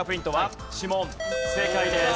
正解です。